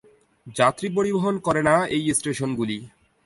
যাত্রী পরিবহন করে না এই স্টেশন গুলি-